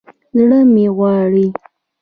زړه مې غواړي